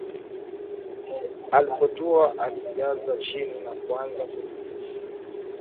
Alipotua alijilaza chini na kuanza kujivingirisha